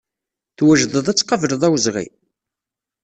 Twejdeḍ ad tqableḍ awezɣi?